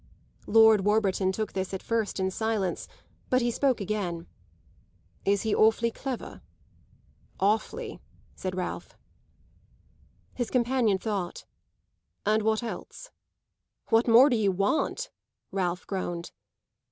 Lord Warburton took this at first in silence, but he spoke again. "Is he awfully clever?" "Awfully," said Ralph. His companion thought. "And what else?" "What more do you want?" Ralph groaned.